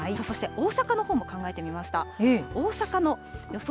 そして大阪のほうも考えてみました。